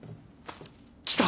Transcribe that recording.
来た！